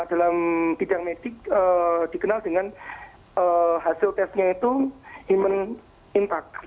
dalam bidang medik dikenal dengan hasil tesnya itu human impact